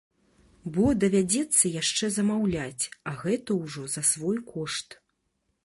Бо давядзецца яшчэ замаўляць, а гэта ўжо за свой кошт.